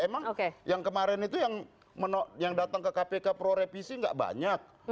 emang yang kemarin itu yang datang ke kpk pro revisi nggak banyak